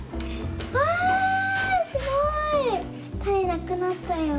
わあすごい！たねなくなったよ。